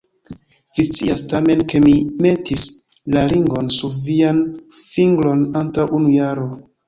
Vi scias tamen, ke mi metis la ringon sur vian fingron antaŭ unu jaro.